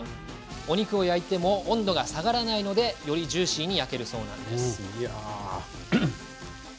お肉を焼いても温度が下がらないのでよりジューシーに焼けるそうなんです。